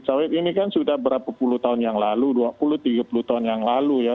sawit ini kan sudah berapa puluh tahun yang lalu dua puluh tiga puluh tahun yang lalu ya